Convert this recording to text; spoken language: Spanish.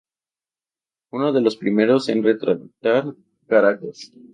Uno de los primeros en retratar Caracas.